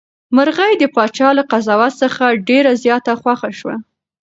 مرغۍ د پاچا له قضاوت څخه ډېره زیاته خوښه شوه.